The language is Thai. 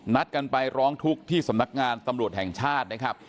นัดกันไปร้องทุกข์ที่สำนักงานตำรวจแห่งชาตินะครับ